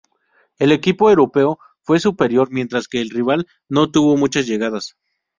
El equipo europeo fue superior, mientras que el rival no tuvo muchas llegadas.